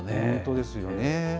本当ですよね。